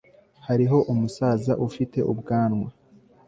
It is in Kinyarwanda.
hariho umusaza ufite ubwanwa